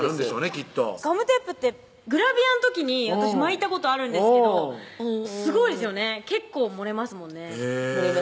きっとガムテープってグラビアの時に私巻いたことあるんですけどすごいですよね結構盛れますもんね盛れます